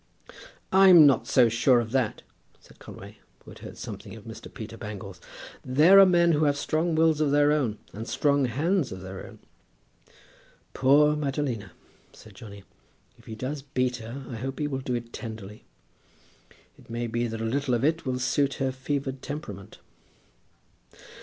"I'm not so sure of that," said Conway, who had heard something of Mr. Peter Bangles. "There are men who have strong wills of their own, and strong hands of their own." "Poor Madalina!" said Johnny. "If he does beat her, I hope he will do it tenderly. It may be that a little of it will suit her fevered temperament."